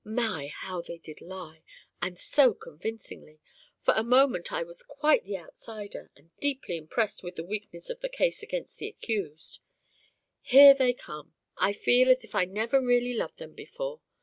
My! how they did lie! And so convincingly! For a moment I was quite the outsider and deeply impressed with the weakness of the case against the accused. Here they come. I feel as if I never really loved them before."